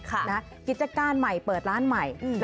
กิจการใหม่เปิดร้านใหม่